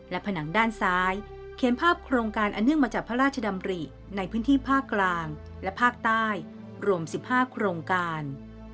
ผนังด้านซ้ายเขียนภาพโครงการอเนื่องมาจากพระราชดำริในพื้นที่ภาคกลางและภาคใต้รวม๑๕โครงการ